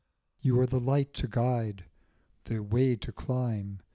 You are the light to guide, the way to climb.